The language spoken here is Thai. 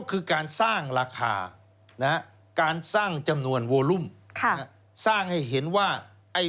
คือการสร้างราคานะฮะการสร้างจำนวนโวลุ่มสร้างให้เห็นว่า